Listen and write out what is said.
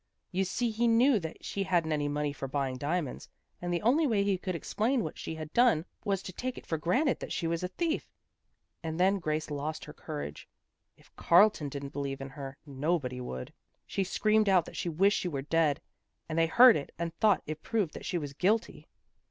You see he knew that she hadn't any money for buying diamonds, and the only way he could explain what she had done was to take it for granted that she was a thief. And then Grace lost her courage. If Carlton didn't believe in her, nobody would. She screamed out that she wished she were dead, and they heard it and thought it proved that she was guilty."